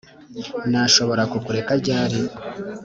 nashobora kukureka ryari? '